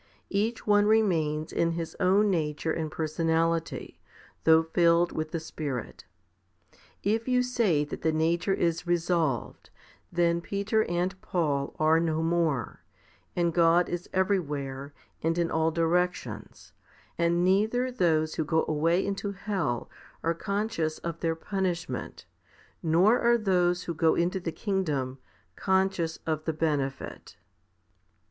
Each one remains in his own nature and personality, though filled with the Spirit. If you say that the nature is resolved, then Peter and Paul are no more, and God is everywhere and in all directions, and neither those who go away into hell are conscious of their punishment, nor are those who go" into the kingdom conscious of the benefit, n.